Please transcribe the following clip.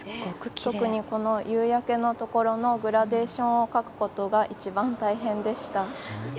特にこの夕焼けのところのグラデーションを描くことがいちばん大変でした。